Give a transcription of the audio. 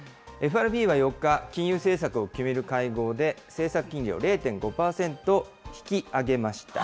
ＦＲＢは４日、金融政策を決める会合で、政策金利を０．５％引き上げました。